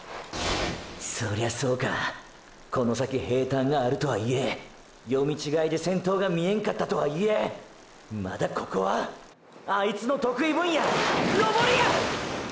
そりゃそうかこの先平坦があるとはいえ読み違いで先頭が見えんかったとはいえまだここは真波の得意分野登りや！！